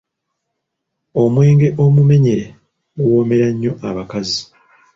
Omwenge omumenyere guwoomera nnyo abakazi.